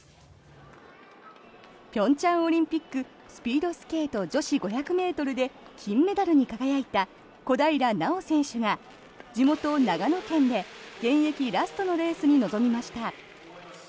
平昌オリンピックスピードスケート女子５００ｍで金メダルに輝いた小平奈緒選手が地元・長野県で現役ラストのレースに臨みました。